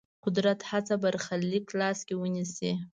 قدرت هڅه برخلیک لاس کې ونیسي.